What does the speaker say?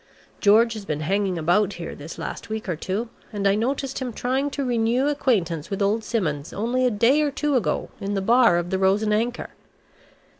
George has been hanging about here this last week or two, and I noticed him trying to renew acquaintance with old Simmons only a day or two ago in the bar of the Rose and Anchor.